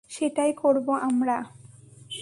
সেটাই করবো আমরা।